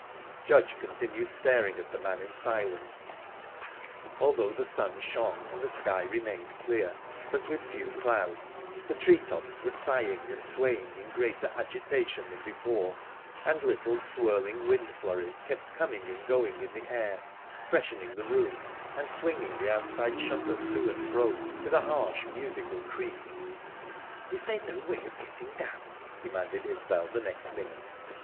Judge continued staring at the man in silence. Although the sun shone and the sky remained clear, with but few clouds, the tree tops were sighing and swaying in greater agitation than before, and little, swirling wind flurries kept coming and going in the air, freshening the room, and swinging the outside shutter to and fro with a harsh, musical creak. "Is there no way of getting down?" demanded Isbel, the next minute.